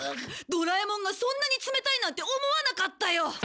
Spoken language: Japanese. ドラえもんがそんなに冷たいなんて思わなかったよ！